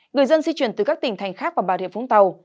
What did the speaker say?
người dân di chuyển từ các tỉnh thành khác vào bảo địa phú tàu